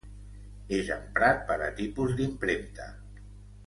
És emprat per a tipus d'impremta.